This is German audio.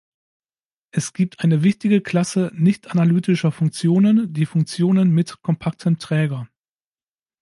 Es gibt eine wichtige Klasse nicht-analytischer Funktionen, die Funktionen mit "kompaktem Träger".